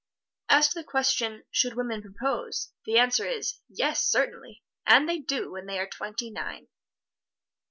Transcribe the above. As to the question, "Should women propose?" the answer is, "Yes, certainly, and they do when they are twenty nine."